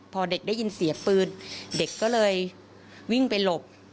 พอเด็กได้ยินเสียงปืนเด็กก็เลยวิ่งไปหลบ